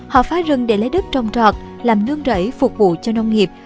họ phá rừng để lấy đất trồng trọt làm nương rẫy phục vụ cho nông nghiệp